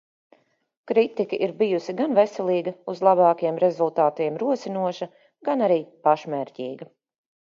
Kritika ir bijusi gan veselīga, uz labākiem rezultātiem rosinoša, gan arī pašmērķīga.